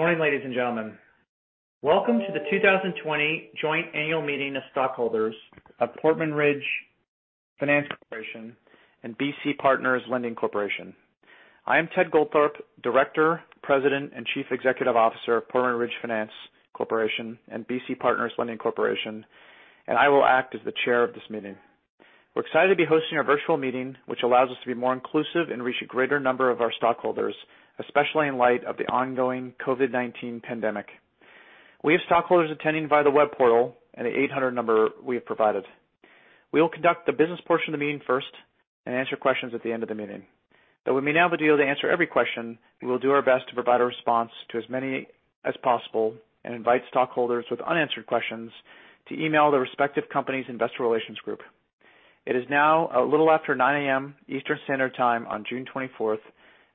Good morning, ladies and gentlemen. Welcome to the 2020 Joint Annual Meeting of Stockholders of Portman Ridge Finance Corporation and BC Partners Lending Corporation. I am Ted Goldthorpe, Director, President, and Chief Executive Officer of Portman Ridge Finance Corporation and BC Partners Lending Corporation, and I will act as the Chair of this meeting. We're excited to be hosting our virtual meeting, which allows us to be more inclusive and reach a greater number of our stockholders, especially in light of the ongoing COVID-19 pandemic. We have stockholders attending via the web portal and the 800 number we have provided. We will conduct the business portion of the meeting first and answer questions at the end of the meeting. Though we may not be able to answer every question, we will do our best to provide a response to as many as possible and invite stockholders with unanswered questions to email the respective company's investor relations group. It is now a little after 9:00 A.M. Eastern Standard Time on June 24th,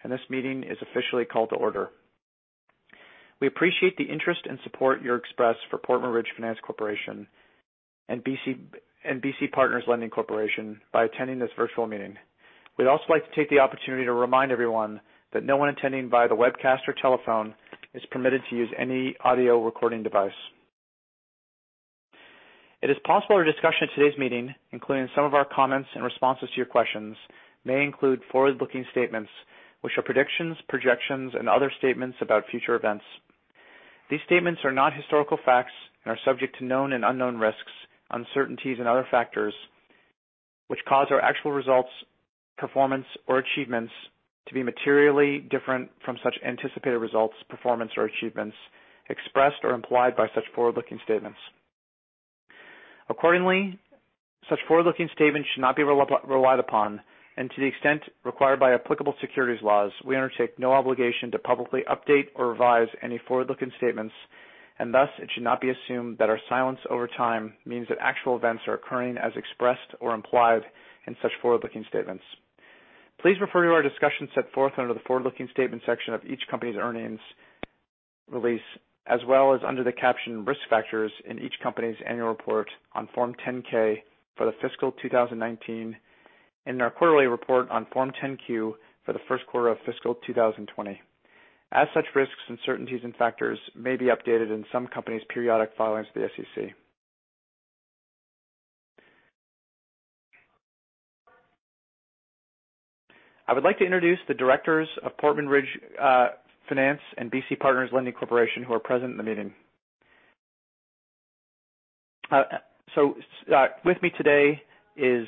and this meeting is officially called to order. We appreciate the interest and support you express for Portman Ridge Finance Corporation and BC Partners Lending Corporation by attending this virtual meeting. We'd also like to take the opportunity to remind everyone that no one attending via the webcast or telephone is permitted to use any audio recording device. It is possible our discussion at today's meeting, including some of our comments and responses to your questions, may include forward-looking statements, which are predictions, projections, and other statements about future events. These statements are not historical facts and are subject to known and unknown risks, uncertainties, and other factors which cause our actual results, performance, or achievements to be materially different from such anticipated results, performance, or achievements expressed or implied by such forward-looking statements. Accordingly, such forward-looking statements should not be relied upon, and to the extent required by applicable securities laws, we undertake no obligation to publicly update or revise any forward-looking statements, and thus it should not be assumed that our silence over time means that actual events are occurring as expressed or implied in such forward-looking statements. Please refer to our discussion set forth under the forward-looking statement section of each company's earnings release, as well as under the captioned risk factors in each company's annual report on Form 10-K for the fiscal 2019, and in our quarterly report on Form 10-Q for the first quarter of fiscal 2020. As such, risks, uncertainties, and factors may be updated in some companies' periodic filings to the SEC. I would like to introduce the Directors of Portman Ridge Finance and BC Partners Lending Corporation who are present in the meeting. So with me today is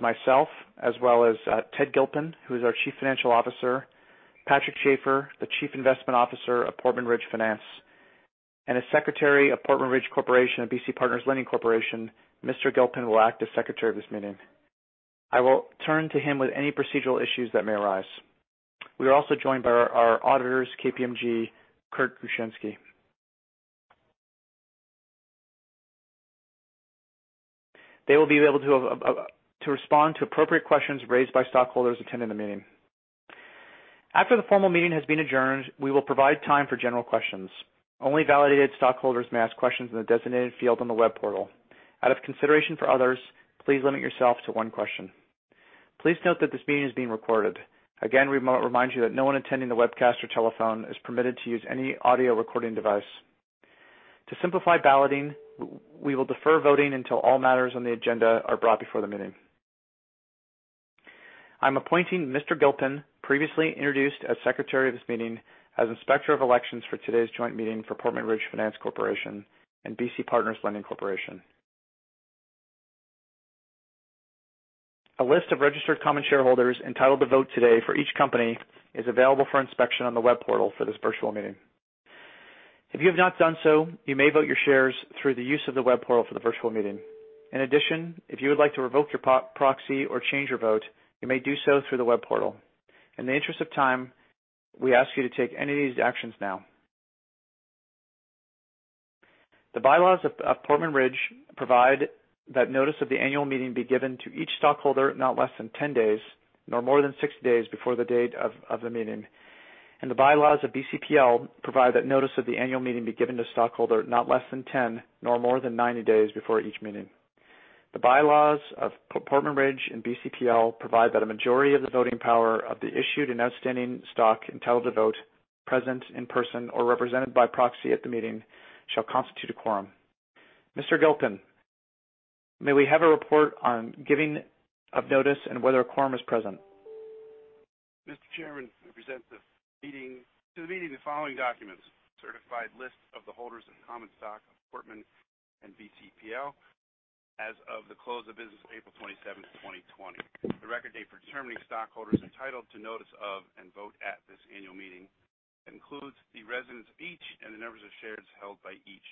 myself, as well as Ted Gilpin, who is our Chief Financial Officer, Patrick Schafer, the Chief Investment Officer of Portman Ridge Finance, and a Secretary of Portman Ridge Finance Corporation and BC Partners Lending Corporation. Mr. Gilpin will act as Secretary of this meeting. I will turn to him with any procedural issues that may arise. We are also joined by our auditors, KPMG, Kurt Krushenski. They will be able to respond to appropriate questions raised by stockholders attending the meeting. After the formal meeting has been adjourned, we will provide time for general questions. Only validated stockholders may ask questions in the designated field on the web portal. Out of consideration for others, please limit yourself to one question. Please note that this meeting is being recorded. Again, we remind you that no one attending the webcast or telephone is permitted to use any audio recording device. To simplify balloting, we will defer voting until all matters on the agenda are brought before the meeting. I'm appointing Mr. Gilpin, previously introduced as Secretary of this meeting, as Inspector of Elections for today's joint meeting for Portman Ridge Finance Corporation and BC Partners Lending Corporation. A list of registered common shareholders entitled to vote today for each company is available for inspection on the web portal for this virtual meeting. If you have not done so, you may vote your shares through the use of the web portal for the virtual meeting. In addition, if you would like to revoke your proxy or change your vote, you may do so through the web portal. In the interest of time, we ask you to take any of these actions now. The bylaws of Portman Ridge provide that notice of the annual meeting be given to each stockholder not less than 10 days nor more than 60 days before the date of the meeting, and the bylaws of BCPL provide that notice of the annual meeting be given to stockholders not less than 10 nor more than 90 days before each meeting. The bylaws of Portman Ridge and BCPL provide that a majority of the voting power of the issued and outstanding stock entitled to vote, present in person or represented by proxy at the meeting, shall constitute a quorum. Mr. Gilpin, may we have a report on giving of notice and whether a quorum is present? Mr. Chairman, we present to the meeting the following documents: certified list of the holders of common stock of Portman and BCPL as of the close of business of April 27th, 2020. The record date for determining stockholders entitled to notice of and vote at this annual meeting includes the residence of each and the numbers of shares held by each.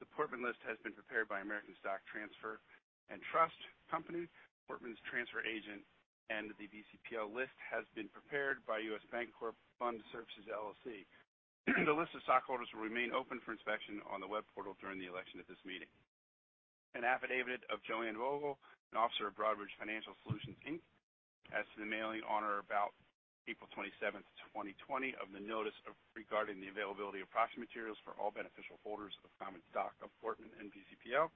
The Portman list has been prepared by American Stock Transfer & Trust Company, Portman's transfer agent, and the BCPL list has been prepared by U.S. Bancorp Fund Services, LLC. The list of stockholders will remain open for inspection on the web portal during the election at this meeting. An affidavit of Joanne Vogel, an officer of Broadridge Financial Solutions, Inc, as to the mailing on or about April 27th, 2020, of the notice regarding the availability of proxy materials for all beneficial holders of common stock of Portman and BCPL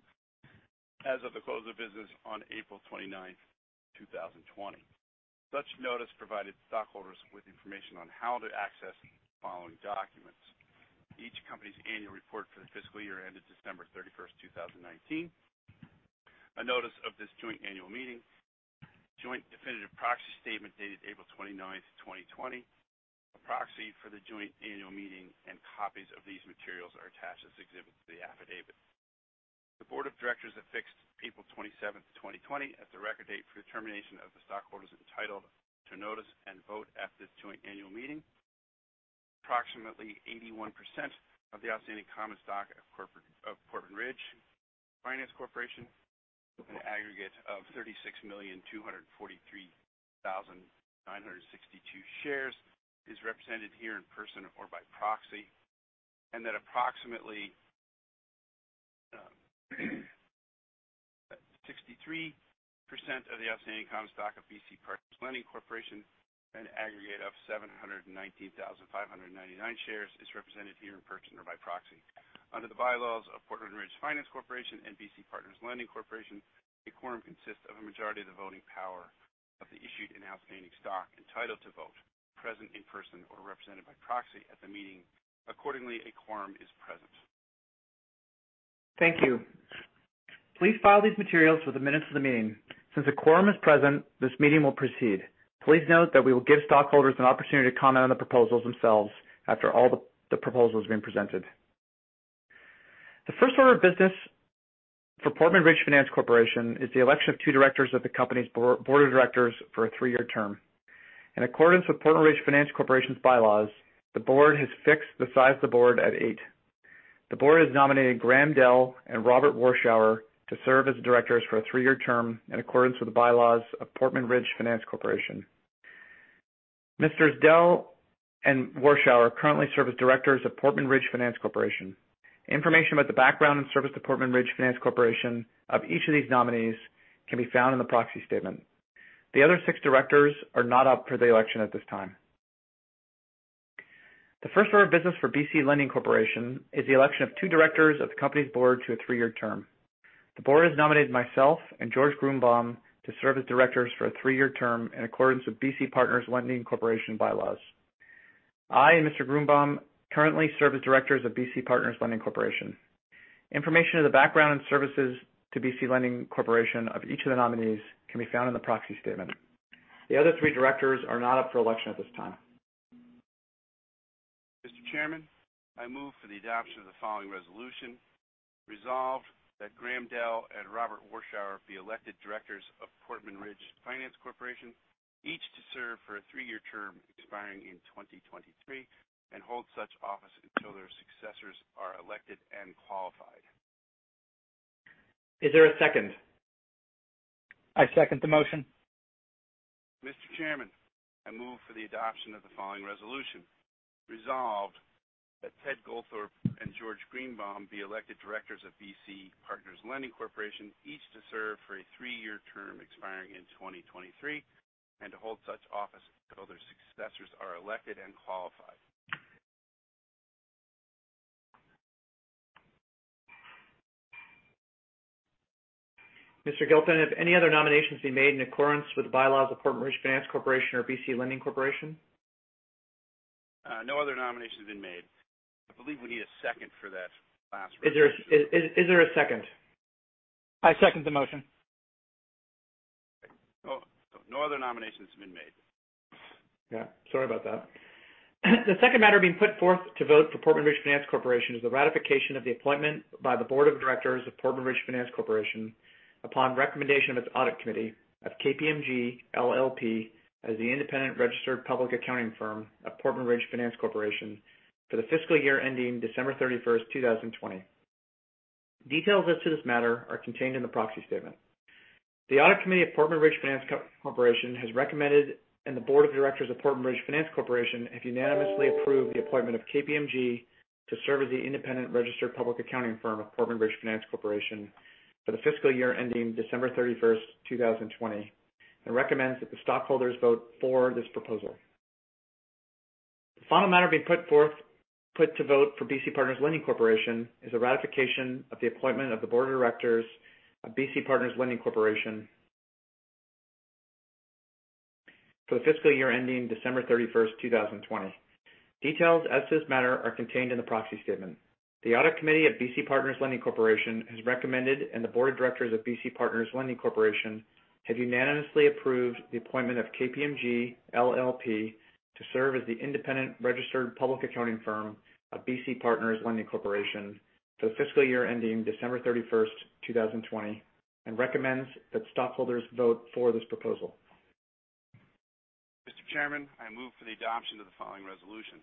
as of the close of business on April 29th, 2020. Such notice provided stockholders with information on how to access the following documents: each company's annual report for the fiscal year ended December 31st, 2019, a notice of this joint annual meeting, joint definitive proxy statement dated April 29th, 2020, a proxy for the joint annual meeting, and copies of these materials are attached as exhibits to the affidavit. The Board of Directors fixed April 27th, 2020, as the record date for determination of the stockholders entitled to notice and vote at this joint annual meeting. Approximately 81% of the outstanding common stock of Portman Ridge Finance Corporation, an aggregate of 36,243,962 shares, is represented here in person or by proxy, and that approximately 63% of the outstanding common stock of BC Partners Lending Corporation, an aggregate of 719,599 shares, is represented here in person or by proxy. Under the bylaws of Portman Ridge Finance Corporation and BC Partners Lending Corporation, a quorum consists of a majority of the voting power of the issued and outstanding stock entitled to vote, present in person or represented by proxy at the meeting. Accordingly, a quorum is present. Thank you. Please file these materials within minutes of the meeting. Since a quorum is present, this meeting will proceed. Please note that we will give stockholders an opportunity to comment on the proposals themselves after all the proposals have been presented. The first order of business for Portman Ridge Finance Corporation is the election of two Directors of the company's Board of Directors for a three-year term. In accordance with Portman Ridge Finance Corporation's bylaws, the Board has fixed the size of the Board at eight. The Board has nominated Graeme Dell and Robert Warshauer to serve as Directors for a three-year term in accordance with the bylaws of Portman Ridge Finance Corporation. Mr. Dell and Warshauer currently serve as Directors of Portman Ridge Finance Corporation. Information about the background and service to Portman Ridge Finance Corporation of each of these nominees can be found in the proxy statement. The other six Directors are not up for the election at this time. The first order of business for BC Lending Corporation is the election of two Directors of the company's Board to a three-year term. The Board has nominated myself and George Grunebaum to serve as Directors for a three-year term in accordance with BC Partners Lending Corporation bylaws. I and Mr. Grunebaum currently serve as Directors of BC Partners Lending Corporation. Information of the background and services to BC Lending Corporation of each of the nominees can be found in the proxy statement. The other three Directors are not up for election at this time. Mr. Chairman, I move for the adoption of the following resolution: Resolved that Graeme Dell and Robert Warshauer be elected Directors of Portman Ridge Finance Corporation, each to serve for a three-year term expiring in 2023, and hold such office until their successors are elected and qualified. Is there a second? I second the motion. Mr. Chairman, I move for the adoption of the following resolution: Resolved that Ted Goldthorpe and George Grunebaum be elected Directors of BC Partners Lending Corporation, each to serve for a three-year term expiring in 2023, and to hold such office until their successors are elected and qualified. Mr. Gilpin, have any other nominations been made in accordance with the bylaws of Portman Ridge Finance Corporation or BC Lending Corporation? No other nominations have been made. I believe we need a second for that last resolution. Is there a second? I second the motion. No other nominations have been made. Yeah. Sorry about that. The second matter being put forth to vote for Portman Ridge Finance Corporation is the ratification of the appointment by the Board of Directors of Portman Ridge Finance Corporation upon recommendation of its Audit Committee of KPMG LLP as the independent registered public accounting firm of Portman Ridge Finance Corporation for the fiscal year ending December 31st, 2020. Details as to this matter are contained in the proxy statement. The Audit Committee of Portman Ridge Finance Corporation has recommended, and the Board of Directors of Portman Ridge Finance Corporation, have unanimously approved the appointment of KPMG to serve as the independent registered public accounting firm of Portman Ridge Finance Corporation for the fiscal year ending December 31st, 2020, and recommends that the stockholders vote for this proposal. The final matter being put forth to vote for BC Partners Lending Corporation is the ratification of the appointment of the Board of Directors of BC Partners Lending Corporation for the fiscal year ending December 31st, 2020. Details as to this matter are contained in the proxy statement. The Audit Committee of BC Partners Lending Corporation has recommended, and the Board of Directors of BC Partners Lending Corporation, have unanimously approved the appointment of KPMG LLP to serve as the independent registered public accounting firm of BC Partners Lending Corporation for the fiscal year ending December 31st, 2020, and recommends that stockholders vote for this proposal. Mr. Chairman, I move for the adoption of the following resolution: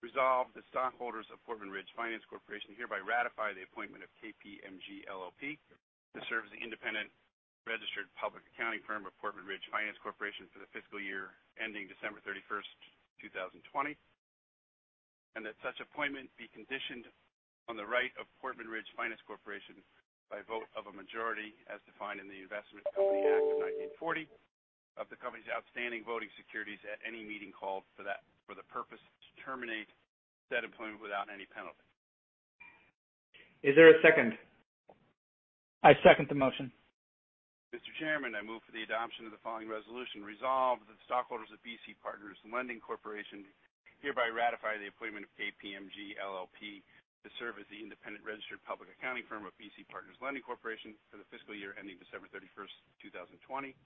Resolved, that the stockholders of Portman Ridge Finance Corporation hereby ratify the appointment of KPMG LLP to serve as the independent registered public accounting firm of Portman Ridge Finance Corporation for the fiscal year ending December 31st, 2020, and that such appointment be conditioned on the right of Portman Ridge Finance Corporation by vote of a majority as defined in the Investment Company Act of 1940 of the company's outstanding voting securities at any meeting called for the purpose to terminate said appointment without any penalty. Is there a second? I second the motion. Mr. Chairman, I move for the adoption of the following resolution: Resolved, that the stockholders of BC Partners Lending Corporation hereby ratify the appointment of KPMG LLP to serve as the independent registered public accounting firm of BC Partners Lending Corporation for the fiscal year ending December 31st, 2020,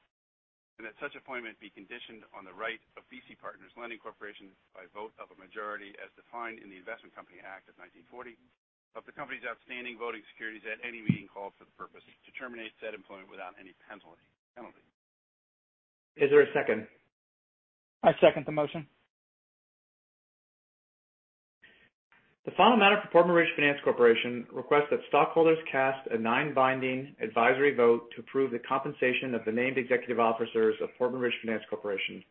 and that such appointment be conditioned on the right of BC Partners Lending Corporation by vote of a majority as defined in the Investment Company Act of 1940 of the company's outstanding voting securities at any meeting called for the purpose to terminate said appointment without any penalty. Is there a second? I second the motion. The final matter for Portman Ridge Finance Corporation requests that stockholders cast a non-binding advisory vote to approve the compensation of the named executive officers of Portman Ridge Finance Corporation.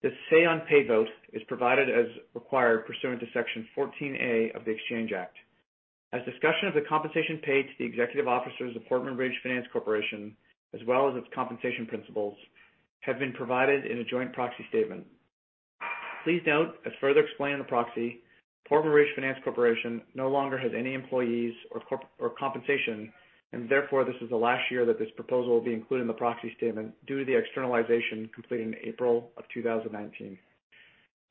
This say-on-pay vote is provided as required pursuant to Section 14(a) of the Exchange Act, as the discussion of the compensation paid to the executive officers of Portman Ridge Finance Corporation, as well as its compensation principles, have been provided in a joint proxy statement. Please note, as further explained in the proxy, Portman Ridge Finance Corporation no longer has any employees or compensation, and therefore this is the last year that this proposal will be included in the proxy statement due to the externalization completed in April of 2019.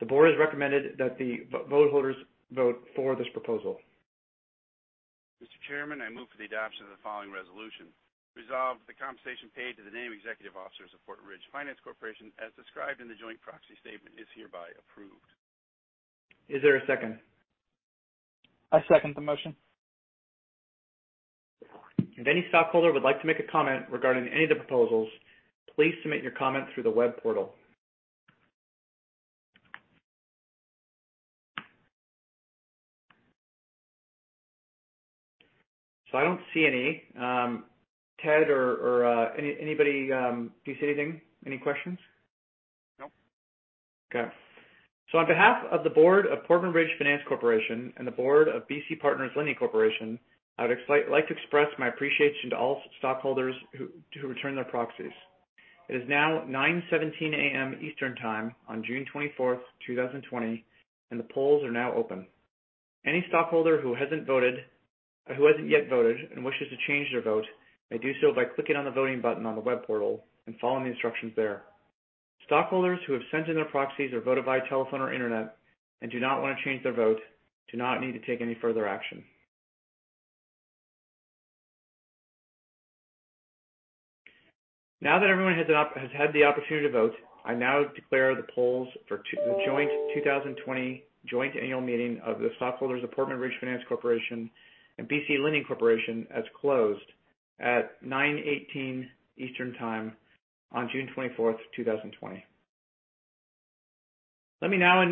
The Board has recommended that the stockholders vote for this proposal. Mr. Chairman, I move for the adoption of the following resolution: Resolve the compensation paid to the named executive officers of Portman Ridge Finance Corporation as described in the joint proxy statement is hereby approved. Is there a second? I second the motion. If any stockholder would like to make a comment regarding any of the proposals, please submit your comment through the web portal. So I don't see any. Ted or anybody, do you see anything? Any questions? No. Okay. So on behalf of the Board of Portman Ridge Finance Corporation and the Board of BC Partners Lending Corporation, I would like to express my appreciation to all stockholders who returned their proxies. It is now 9:17 A.M. Eastern Time on June 24th, 2020, and the polls are now open. Any stockholder who hasn't yet voted and wishes to change their vote may do so by clicking on the voting button on the web portal and following the instructions there. Stockholders who have sent in their proxies or voted by telephone or Internet and do not want to change their vote do not need to take any further action. Now that everyone has had the opportunity to vote, I now declare the polls for the joint 2020 joint annual meeting of the stockholders of Portman Ridge Finance Corporation and BC Lending Corporation as closed at 9:18 A.M. Eastern Time on June 24th, 2020. Let me now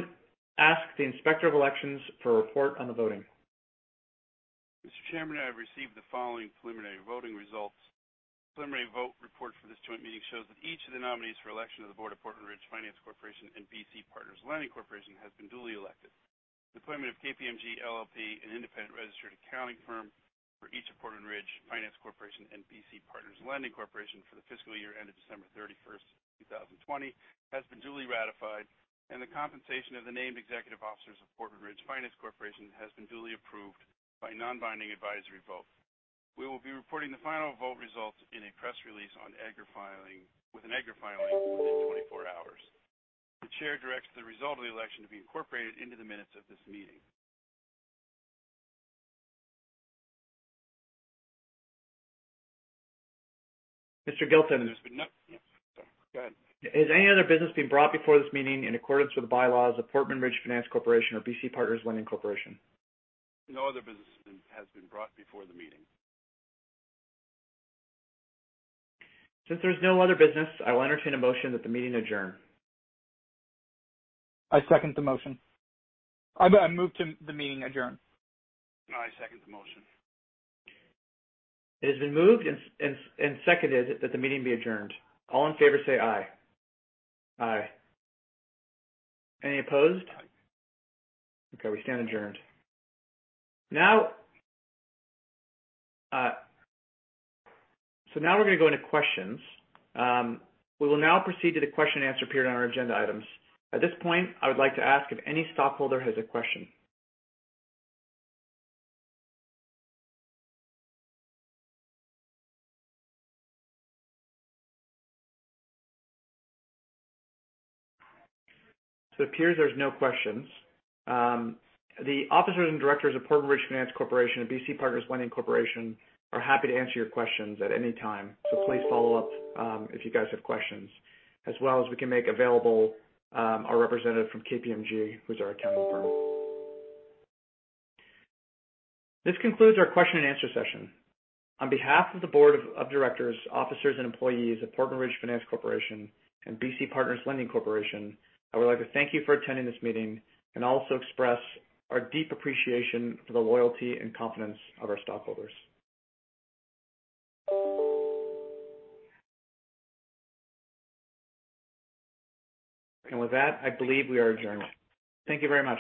ask the Inspector of Elections for a report on the voting. Mr. Chairman, I have received the following preliminary voting results. The preliminary vote report for this joint meeting shows that each of the nominees for election of the Board of Portman Ridge Finance Corporation and BC Partners Lending Corporation has been duly elected. The appointment of KPMG LLP, an independent registered accounting firm for each of Portman Ridge Finance Corporation and BC Partners Lending Corporation for the fiscal year ended December 31st, 2020, has been duly ratified, and the compensation of the named executive officers of Portman Ridge Finance Corporation has been duly approved by non-binding advisory vote. We will be reporting the final vote results in a press release with an within 24 hours. The Chair directs the result of the election to be incorporated into the minutes of this meeting. Mr. Gilpin, is any other business being brought before this meeting in accordance with the bylaws of Portman Ridge Finance Corporation or BC Partners Lending Corporation? No other business has been brought before the meeting. Since there is no other business, I will entertain a motion that the meeting adjourn. I second the motion. I move to the meeting adjourn. I second the motion. It has been moved and seconded that the meeting be adjourned. All in favor say aye. Any opposed? Okay. We stand adjourned. So now we're going to go into questions. We will now proceed to the question-and-answer period on our agenda items. At this point, I would like to ask if any stockholder has a question. So it appears there's no questions. The officers and Directors of Portman Ridge Finance Corporation and BC Partners Lending Corporation are happy to answer your questions at any time, so please follow up if you guys have questions, as well as we can make available our representative from KPMG, who's our accounting firm. This concludes our question-and-answer session. On behalf of the Board of Directors, officers, and employees of Portman Ridge Finance Corporation and BC Partners Lending Corporation, I would like to thank you for attending this meeting and also express our deep appreciation for the loyalty and confidence of our stockholders, and with that, I believe we are adjourned. Thank you very much.